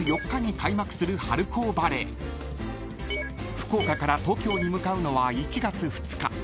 ［福岡から東京に向かうのは１月２日］